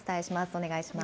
お願いします。